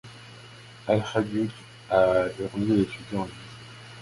Al-Hadjudj a grandi et étudié en Libye.